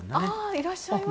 いらっしゃいますね。